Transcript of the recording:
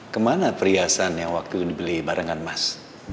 kemana perhiasan yang waktu ini dibeli barengan mas